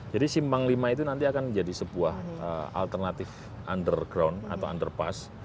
jadi simbang v itu nanti akan menjadi sebuah alternatif under routes